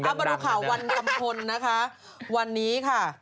อับบรุข่าววันกำพลวันนี้ค่ะ